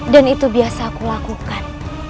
dan itu biasa aku lakukan